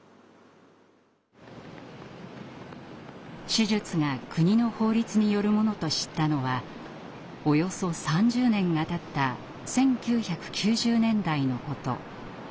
手術が国の法律によるものと知ったのはおよそ３０年がたった１９９０年代のこと。